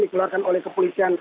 dari keterangan pak jokowi